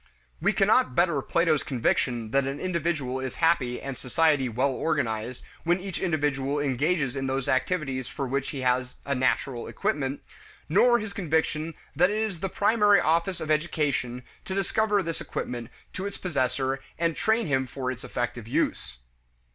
We cannot better Plato's conviction that an individual is happy and society well organized when each individual engages in those activities for which he has a natural equipment, nor his conviction that it is the primary office of education to discover this equipment to its possessor and train him for its effective use.